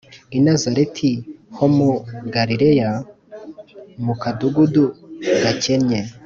i nazareti ho mu galileya mu kadugudu gakennye